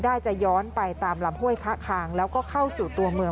ได้จะย้อนไปตามลำห้วยคะคางแล้วก็เข้าสู่ตัวเมือง